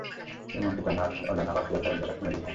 এই মন্ত্র জানা আর অজানা বাস্তবতার অন্ধকার সীমা দিয়ে ভ্রমণ করে।